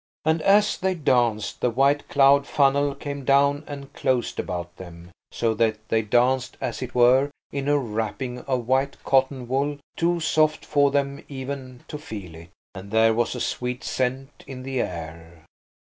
And as they danced the white cloud funnel came down and closed about them, so that they danced, as it were, in a wrapping of white cotton wool too soft for them even to feel it. And there was a sweet scent in the air.